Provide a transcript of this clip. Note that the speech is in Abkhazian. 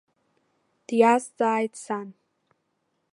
Диазҵааит сан.